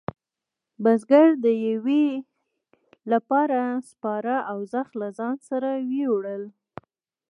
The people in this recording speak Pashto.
بزگر د یویې لپاره سپاره او زخ له ځانه سره وېوړل.